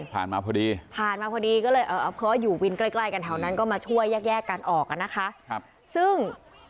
มาพอดีผ่านมาพอดีก็เลยเอาเพราะว่าอยู่วินใกล้ใกล้กันแถวนั้นก็มาช่วยแยกแยกกันออกอ่ะนะคะซึ่ง